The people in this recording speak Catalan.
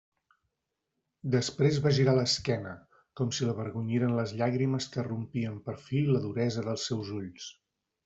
Després va girar l'esquena, com si l'avergonyiren les llàgrimes que rompien per fi la duresa dels seus ulls.